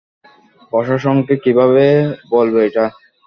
প্রশাসনকে কীভাবে বলবে এটা?